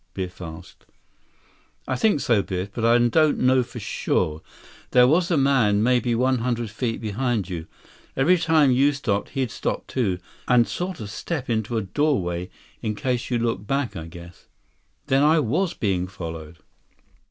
Biff asked. "I think so, Biff. But I don't know for sure. There was a man, maybe one hundred feet behind you. Every time you stopped, he'd stop, too, and sort of step into a doorway, in case you looked back, I guess." "Then I was being followed!"